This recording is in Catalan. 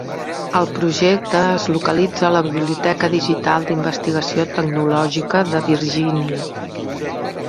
El projecte es localitza a la Biblioteca Digital d'Investigació tecnològica de Virgínia.